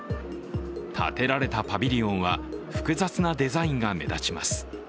建てられたパビリオンは複雑なデザインが目立ちます。